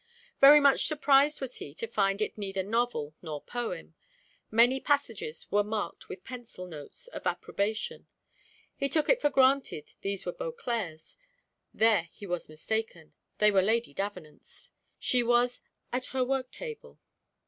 Very much surprised was he to find it neither novel nor poem: many passages were marked with pencil notes of approbation, he took it for granted these were Bleauclerc's; there he was mistaken, they were Lady Davenant's. She was at her work table.